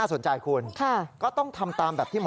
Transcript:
สายลูกไว้อย่าใส่